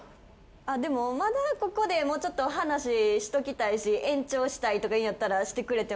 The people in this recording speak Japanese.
あっでもまだここでもうちょっと話しときたいし延長したいとかいうんやったらしてくれてもいいけど。